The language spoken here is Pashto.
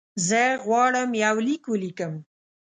زه غواړم یو لیک ولیکم.